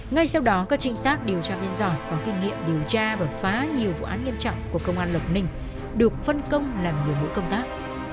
ngay sau đó các trinh sát điều tra viên giỏi có kinh nghiệm điều tra và phá nhiều vụ án nghiêm trọng của công an lộc ninh được phân công làm nhiều mũi công tác